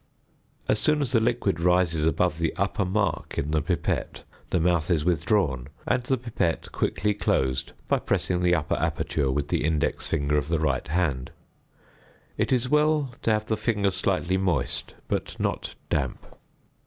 As soon as the liquid rises above the upper mark in the pipette, the mouth is withdrawn, and the pipette quickly closed by pressing the upper aperture with the index finger of the right hand; it is well to have the finger slightly moist, but not damp.